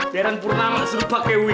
darren purnama disuruh pake wig